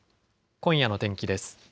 今夜の天気です。